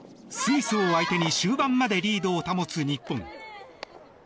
スイスを相手に終盤までリードを保つ日本。